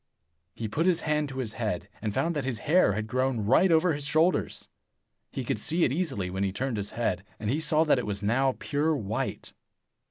He put his hand to his head, and found that his hair had grown right over his shoulders. He could see it easily when he turned his head, and he saw that it was now pure white.